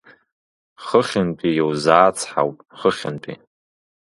Хыхьынтәи иузаацҳауп, хыхьынтәи…